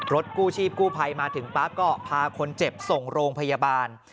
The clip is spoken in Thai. กู้ชีพกู้ภัยมาถึงปั๊บก็พาคนเจ็บส่งโรงพยาบาล